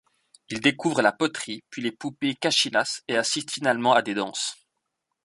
Il découvre la poterie, puis les poupées kachinas et assiste finalement à des danses.